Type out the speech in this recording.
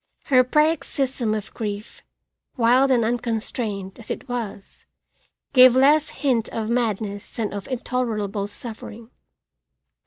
Her paroxysm of grief, wild and unconstrained as it was, gave less hint of madness than of intolerable suffering.